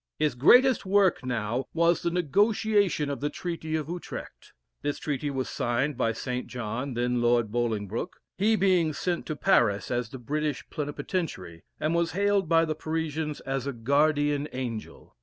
His greatest work now was the negotiation of the treaty of Utrecht. This treaty was signed by St. John (then Lord Bolingbroke,) he being sent to Paris as the British Plenipotentiary, and was hailed by the Parisians as a guardian angel.